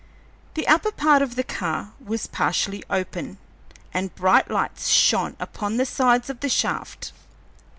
The upper part of the car was partially open, and bright lights shone upon the sides of the shaft.